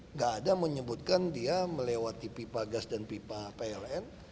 nggak ada menyebutkan dia melewati pipa gas dan pipa pln